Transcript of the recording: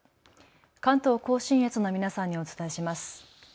関東甲信越の皆さんにお伝えします。